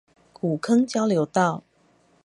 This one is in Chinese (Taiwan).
古坑交流道